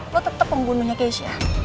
lo tetep pembunuhnya keisha